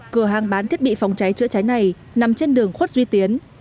cửa hàng bán thiết bị phòng cháy chữa cháy này nằm trên đường khuất duy tiến